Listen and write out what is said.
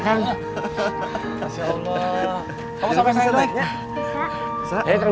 ceng alhamdulillah ceng makasih ya ceng